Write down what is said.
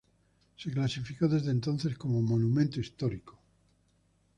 Se clasificó desde entonces como "monumento histórico".